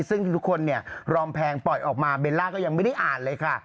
ซึ่งทุกคนเนี่ยรอมแพงปล่อยออกมาเบลล่าก็ยังไม่ได้อ่านเลยค่ะ